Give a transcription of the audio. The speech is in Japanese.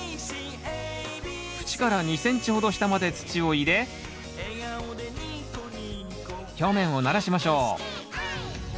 縁から２ｃｍほど下まで土を入れ表面をならしましょう。